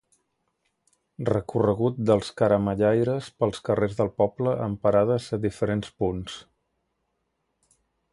Recorregut dels caramellaires pels carrers del poble amb parades a diferents punts.